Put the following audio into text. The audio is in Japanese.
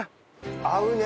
合うね。